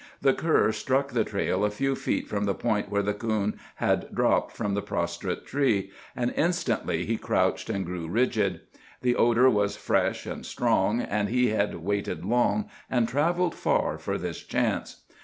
The cur struck the trail a few feet from the point where the coon had dropped from the prostrate tree, and instantly he crouched and grew rigid. The odor was fresh and strong, and he had waited long and travelled far for this chance.